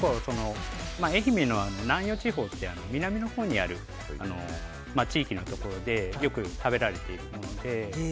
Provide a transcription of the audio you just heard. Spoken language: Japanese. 愛媛の南陽地方という南のほうにある地域のところでよく食べられているので。